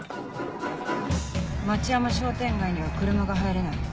町山商店街には車が入れない。